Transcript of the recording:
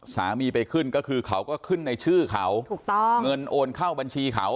ไปขึ้นก็คือเขาก็ขึ้นในชื่อเขาถูกต้องเงินโอนเข้าบัญชีเขา